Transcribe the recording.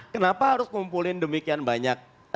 kenapa harus ngumpulin demikian banyak